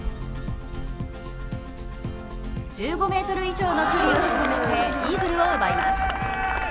１５ｍ以上の距離を沈めてイーグルを奪います。